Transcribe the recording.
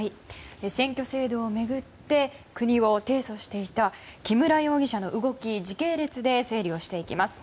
選挙制度を巡って国を提訴していた木村容疑者の動き時系列で整理をしていきます。